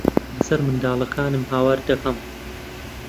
بەسەر منداڵەکانم ھاوار دەکەم.